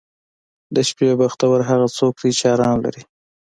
• د شپې بختور هغه څوک دی چې آرام لري.